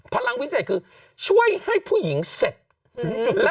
พลังวิเศษคือช่วยให้ผู้หญิงเสร็จถึงจุด